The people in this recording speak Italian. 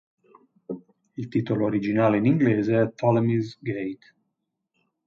Il titolo originale in inglese è "Ptolemy's Gate".